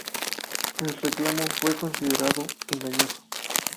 El reclamo fue considerado engañoso.